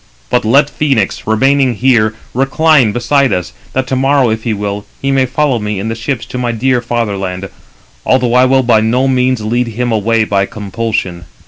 But let Phœnix, remaining here, recline beside us, that to morrow, if he will, he may follow me in the ships to my dear fatherland, although I will by no means lead him away by compulsion."